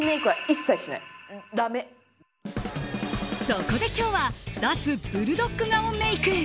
そこで今日は脱ブルドッグ顔メイク。